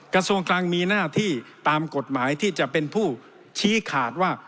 กระทรวงคลังมีหน้าที่ตามกฎหมายที่จะเป็นผู้ชี้ขาดว่า